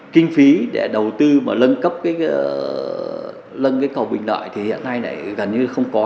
kinh phí để đầu tư mà lân cấp cái lân cái cầu bình lợi thì hiện nay gần như không có